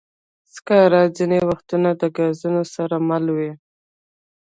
سکاره ځینې وختونه د ګازونو سره مله وي.